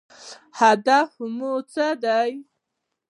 هدف مو څه دی؟